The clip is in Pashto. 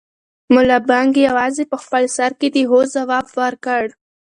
ملا بانګ یوازې په خپل سر کې د هو ځواب ورکړ.